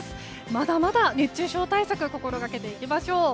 まだまだ熱中症対策を心がけていきましょう。